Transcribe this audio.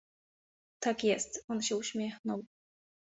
"Tak jest, on się uśmiechnął."